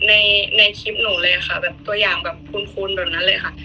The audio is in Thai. ในคลิปหนูเลยค่ะตัวอย่างคุ้นตรงนั้นเลยค่ะ